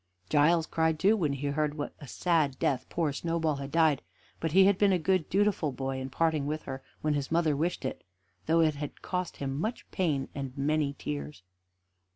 Giles cried too when he heard what a sad death poor Snowball had died; but he had been a good dutiful boy in parting with her when his mother wished it, though it had cost him much pain and many tears.